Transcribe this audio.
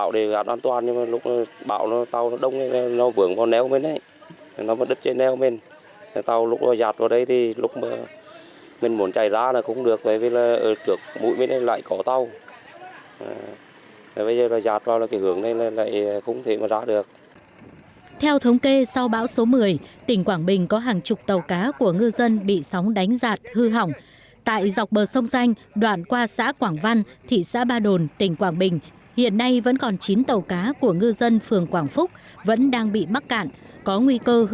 đây là hình ảnh những chiếc tàu cá của ngư dân của phường quảng phúc thị xã ba đồn thị xã ba đồn thị xã ba đồn